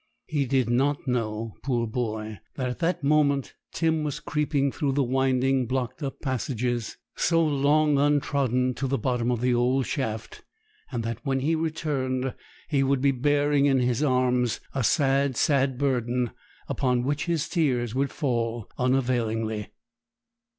He did not know, poor boy, that at that moment Tim was creeping through the winding, blocked up passages, so long untrodden, to the bottom of the old shaft; and that when he returned he would be bearing in his arms a sad, sad burden, upon which his tears would fall unavailingly.